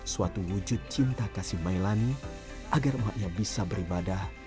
suatu wujud cinta kasih mailangi agar ma eni bisa beribadah